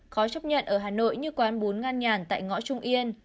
khó chấp nhận ở hà nội như quán bún ngăn nhàn tại ngõ trung yên